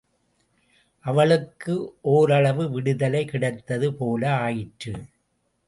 அவளுக்கும் ஒரளவு விடுதலை கிடைத்தது போல ஆயிற்று.